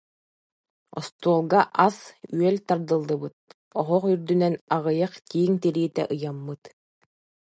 Остуолга асүөл тардыллыбыт, оһох үрдүнэн аҕыйах тииҥ тириитэ ыйаммыт